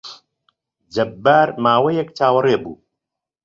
جەبار ماوەیەک چاوەڕێ بوو.